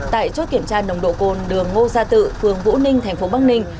tại chốt kiểm tra nồng độ cồn đường ngô gia tự phường vũ ninh thành phố bắc ninh